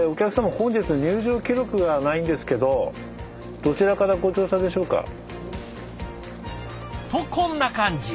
本日入場記録がないんですけどどちらからご乗車でしょうか？とこんな感じ。